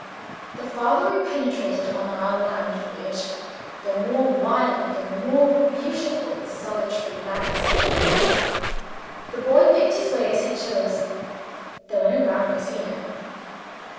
The farther we penetrated on our land voyage, the more wild and the more beautiful the solitary landscape grew. The boy picked his way as he chose there were no barriers here.